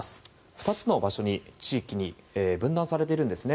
２つの地域に分断されているんですね。